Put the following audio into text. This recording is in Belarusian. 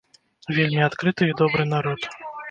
Вельмі адкрыты і добры народ.